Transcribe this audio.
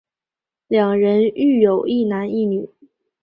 两人育有一男一女。